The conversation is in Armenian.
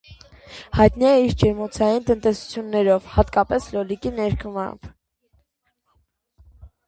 Հայտնի է իր ջերմոցային տնտեսություններով՝ հատկապես լոլիկի ներկրմամբ։